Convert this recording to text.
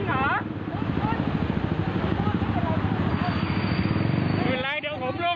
เบบก็บอกไม่ให้หน่าน่ะเจนเนีย